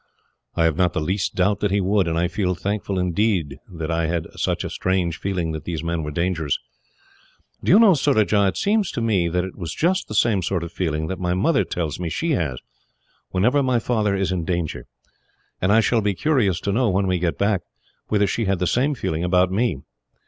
"I have not the least doubt that he would, and I feel thankful, indeed, that I had such a strange feeling that these men were dangerous. Do you know, Surajah, it seems to me that it was just the same sort of feeling that my mother tells me she has, whenever my father is in danger; and I shall be curious to know, when we get back, whether she had the same feeling about me.